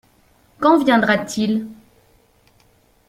Quand viendra-t-il ?